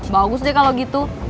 bagus deh kalau gitu